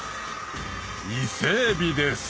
伊勢エビです！